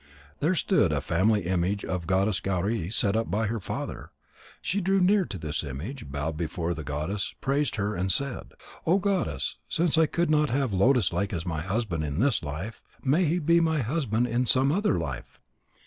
There stood a family image of the goddess Gauri, set up by her father. She drew near to this image, bowed before the goddess, praised her, and said: "O Goddess, since I could not have Lotus lake as my husband in this life, may he be my husband in some other life!"